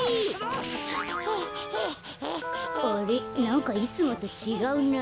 なんかいつもとちがうな。